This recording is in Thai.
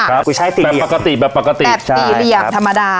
ครับกุ้ยไช่สี่เหลี่ยมแบบปกติแบบปกติใช่ครับแบบสี่เหลี่ยมธรรมดานะครับ